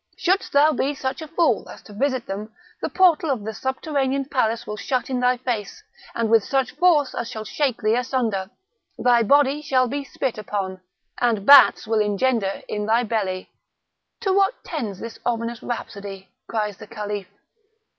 Shouldst thou be such a fool as to visit them, the portal of the subterranean palace will be shut in thy face, and with such force as shall shake thee asunder; thy body shall be spit upon, and bats will engender in thy belly." "To what tends this ominous rhapsody?" cries the Caliph.